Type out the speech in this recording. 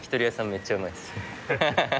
めっちゃうまいっす。